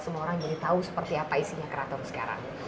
semua orang jadi tahu seperti apa isinya keraton sekarang